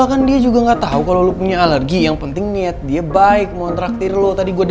kamu tuh harusnya berterima kasih sama aldino